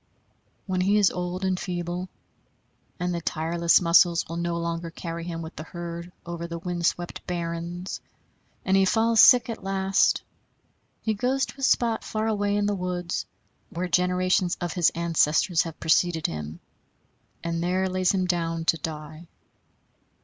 When he is old and feeble, and the tireless muscles will no longer carry him with the herd over the wind swept barrens, and he falls sick at last, he goes to a spot far away in the woods, where generations of his ancestors have preceded him, and there lays him down to die.